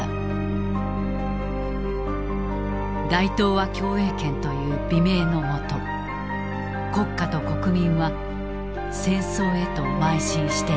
大東亜共栄圏という美名のもと国家と国民は戦争へとまい進していく。